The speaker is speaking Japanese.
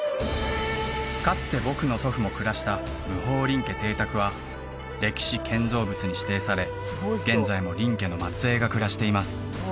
かつて僕の祖父も暮らした霧峰林家邸宅は歴史建造物に指定され現在も林家の末裔が暮らしています